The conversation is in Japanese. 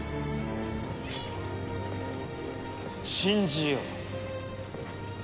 信じよう。